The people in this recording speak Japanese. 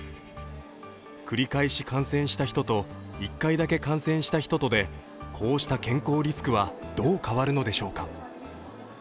繰り返し感染した人と１回だけ感染した人とでこうした健康リスクはどう変わるのでしょうか。